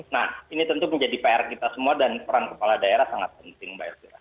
nah ini tentu menjadi pr kita semua dan peran kepala daerah sangat penting mbak elvira